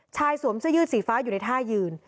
สวมเสื้อยืดสีฟ้าอยู่ในท่ายืน